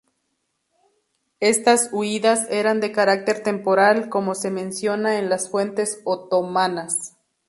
Estas huidas eran de carácter temporal, como se menciona en las fuentes otomanas.